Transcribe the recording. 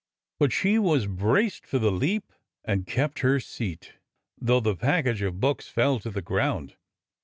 But she was braced for the leap and kept her seat. A SPIRITED MAIDEN 83 though the package of books fell to the ground.